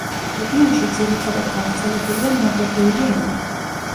რეგიონში ძირითადად გავრცელებულია ნორვეგიული ენა.